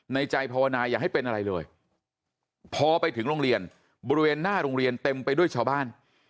ในใจภาวนาอย่าให้เป็นอะไรเลยพอไปถึงโรงเรียนบริเวณหน้าโรงเรียนเต็มไปด้วยชาวบ้าน